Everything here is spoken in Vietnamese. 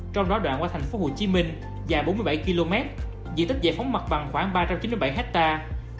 trong đó đoạn qua thành phố hồ chí minh dài bốn mươi bảy km diện tích giải phóng mặt bằng khoảng ba trăm chín mươi bảy hectare